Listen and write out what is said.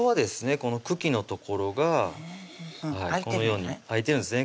この茎の所がこのように空いてるんですね